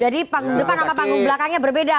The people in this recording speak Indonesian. jadi depan sama panggung belakangnya berbeda